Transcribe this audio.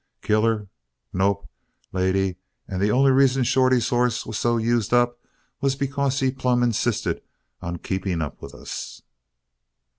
Kill her? Nope, lady, and the only reason Shorty's hoss was so used up was because he plumb insisted on keeping up with us!"